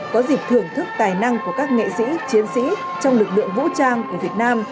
có dịp thưởng thức tài năng của các nghệ sĩ chiến sĩ trong lực lượng vũ trang của việt nam